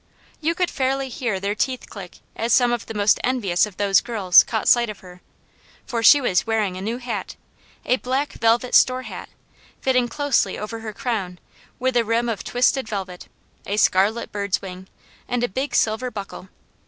You could fairly hear their teeth click as some of the most envious of those girls caught sight of her, for she was wearing a new hat! a black velvet store hat, fitting closely over her crown, with a rim of twisted velvet, a scarlet bird's wing, and a big silver buckle.